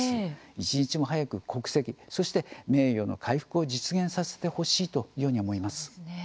一日も早く国籍、そして名誉の回復を実現させてほしいというように思います。